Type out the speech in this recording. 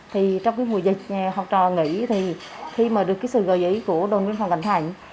thì trong cái mùa dịch học trò nghỉ thì khi mà được cái sự gợi ý của đội biên phòng cần thạnh